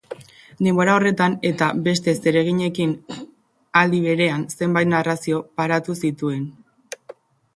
Denbora horretan eta beste zereginekin aldi berean zenbait narrazio paratu zituen.